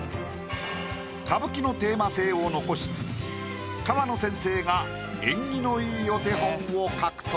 歌舞伎のテーマ性を残しつつ河野先生が縁起のいいお手本を描くと。